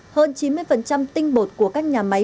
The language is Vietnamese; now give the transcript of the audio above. hơn chín mươi tinh bột của các nhà máy